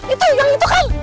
itu yang itu kan